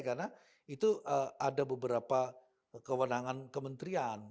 karena itu ada beberapa kewenangan kementerian